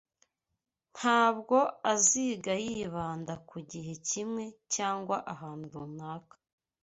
Ntabwo aziga yibanda ku gihe kimwe cyangwa ahantu runaka.